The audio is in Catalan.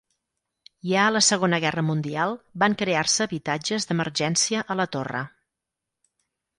Ja a la segona guerra mundial van crear-se habitatges d'emergència a la torre.